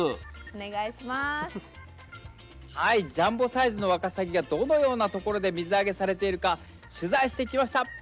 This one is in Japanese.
はいジャンボサイズのわかさぎがどのようなところで水揚げされているか取材してきました。